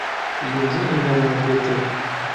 Iyi nzu ingana na Petero.